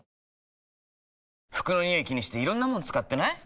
服のニオイ気にしていろんなもの使ってない？